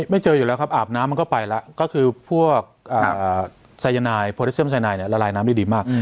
ไม่เจออยู่แล้วครับอาบน้ำมันก็ไปแล้วก็คือพวกโพรติเซียมไซยานายละลายน้ำดีมาก